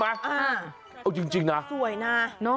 เอาจริงนะสวยนะ